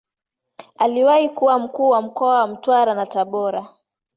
Aliwahi kuwa Mkuu wa mkoa wa Mtwara na Tabora.